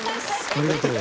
ありがとう。